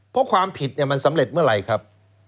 เพราะความผิดมันสำเร็จเมื่อไหร่ครับ